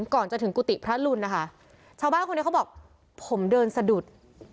ก่อนจะถึงกุฏิพระลุนนะคะชาวบ้านคนนี้เขาบอกผมเดินสะดุด